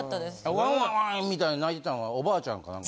ワンワンみたいに鳴いてたんはおばあちゃんか何か？